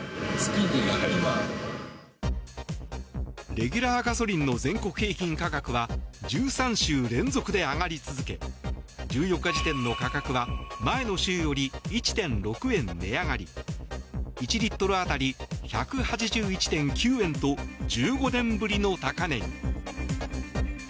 レギュラーガソリンの全国平均価格は１３週連続で上がり続け１４日時点の価格は前の週より１．６円値上がり１リットル当たり１８１．９円と１５年ぶりの高値に。